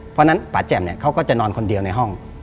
เพราะฉะนั้นป่าแจ่มเนี่ยเขาก็จะนอนคนเดียวในห้อง